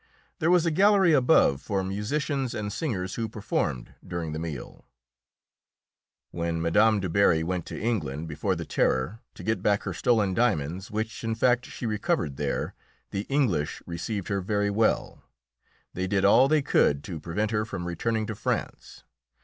There was a gallery above for musicians and singers who performed during the meal." [Illustration: THE DAUPHIN OF FRANCE.] When Mme. Du Barry went to England, before the Terror, to get back her stolen diamonds, which, in fact, she recovered there, the English received her very well. They did all they could to prevent her from returning to France.